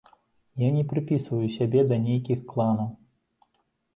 Я не прыпісваю сябе да нейкіх кланаў.